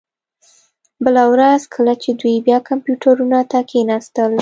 بله ورځ کله چې دوی بیا کمپیوټرونو ته کښیناستل